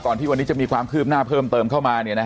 ที่วันนี้จะมีความคืบหน้าเพิ่มเติมเข้ามา